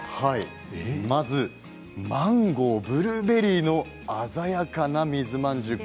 マンゴー、ブルーベリーの鮮やかな水まんじゅう。